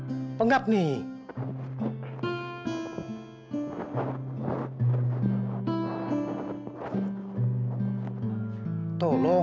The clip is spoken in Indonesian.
eh jangan tutup lagi dong